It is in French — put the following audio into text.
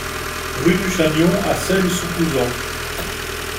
Rue du Chagnon à Sail-sous-Couzan